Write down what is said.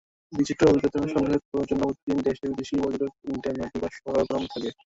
বিচিত্র অভিজ্ঞতা সংগ্রহের জন্য প্রতিদিন দেশি-বিদেশি পর্যটকে ড্যামের দুপাশ সরগরম থাকে।